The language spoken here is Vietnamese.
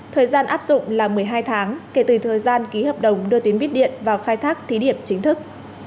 thời gian áp dụng là một mươi hai tháng kể từ thời gian ký hợp đồng đưa tuyến bít điện vào khai thác thí điểm chính thức